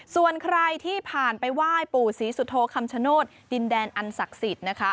ส่วนใครที่ผ่านไปไหว้ปู่ศรีสุโธคำชโนธดินแดนอันศักดิ์สิทธิ์นะคะ